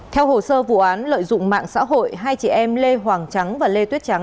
theo hồ sơ vụ án lợi dụng mạng xã hội hai chị em lê hoàng trắng và lê tuyết trắng